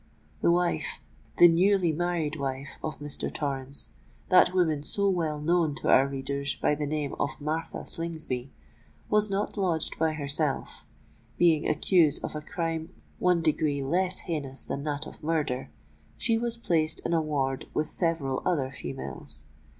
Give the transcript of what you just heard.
The wife—the newly married wife of Mr. Torrens,—that woman so well known to our readers by the name of Martha Slingsby,—was not lodged by herself:—being accused of a crime one degree less heinous than that of murder, she was placed in a ward with several other females.